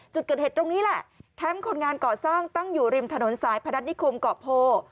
จุดเกิดเหตุตรงนี้แหละแคมป์คนงานก่อสร้างตั้งอยู่ริมถนนสายพนัฐนิคมเกาะโพ